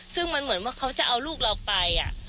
ซึ่งมันเหมือนว่าเขาจะเอาลูกเราไป